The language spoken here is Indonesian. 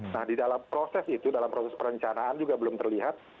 nah di dalam proses itu dalam proses perencanaan juga belum terlihat